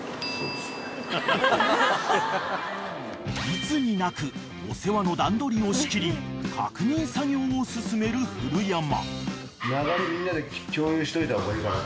［いつになくお世話の段取りを仕切り確認作業を進める古山］